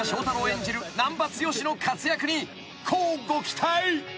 演じる難破剛の活躍に乞うご期待］